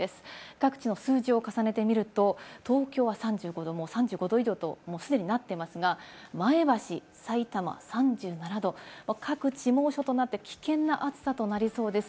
各地の数字を重ねてみると、東京は３５度、もう３５度以上と、もう既になってますが、前橋、さいたま３７度、各地猛暑となって危険な暑さとなりそうです。